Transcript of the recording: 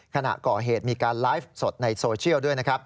ขณะก่อเหตุมีการไลฟ์สดในโซเชียลด้วยนะครับ